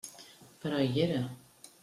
Però hi era.